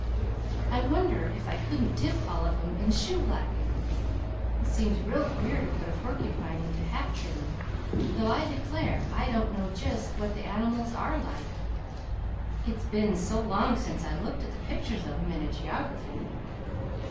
I wonder if I couldn't dip all of em in shoe blackin'? It seems real queer to put a porcupine into hat trimmin', though I declare I don't know jest what the animiles are like, it's be'n so long sence I looked at the pictures of em in a geography.